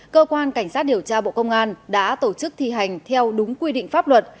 cơ quan cảnh sát điều tra bộ công an đã tổ chức thi hành theo đúng quy định pháp luật